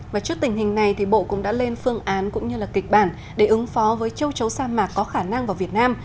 và trước tình hình này thì bộ cũng đã lên phương án cũng như là kịch bản để ứng phó với châu chấu sa mạc có khả năng vào việt nam